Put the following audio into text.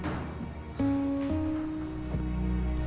terima kasih dok